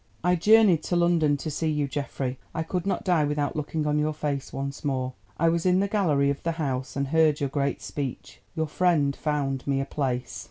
"I journeyed to London to see you, Geoffrey. I could not die without looking on your face once more. I was in the gallery of the House and heard your great speech. Your friend found me a place.